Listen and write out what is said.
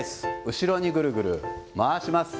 後ろにぐるぐる回します。